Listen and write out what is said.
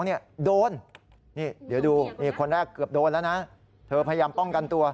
เดี๋ยวดูคนแรกเกือบโดนแล้วนะเธอพยายามป้องกันตัว